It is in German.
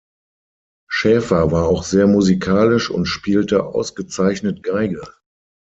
Schäfer war auch sehr musikalisch und spielte ausgezeichnet Geige.